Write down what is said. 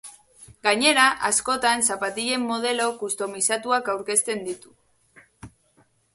Gainera, askotan zapatilen modelo kustomizatuak aurkezten ditu.